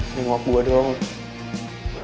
nengok gue doang